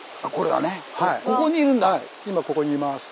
はい今ここにいます。